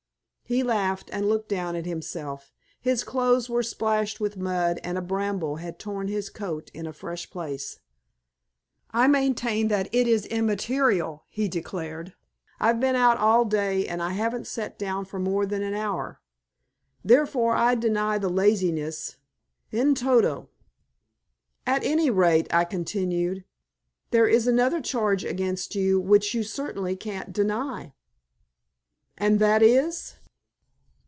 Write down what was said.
He laughed, and looked down at himself. His clothes were splashed with mud, and a bramble had torn his coat in a fresh place. "I maintain that it is immaterial," he declared. "I've been out all day, and I haven't sat down for more than an hour. Therefore I deny the laziness in toto." "At any rate," I continued, "there is another charge against you, which you certainly can't deny." "And that is?"